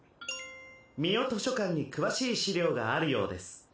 ミオ図書館に詳しい資料があるようです。